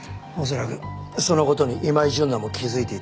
恐らくその事に今井純奈も気づいていた。